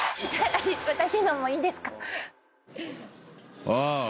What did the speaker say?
私のもいいですか？